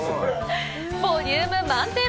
ボリューム満点。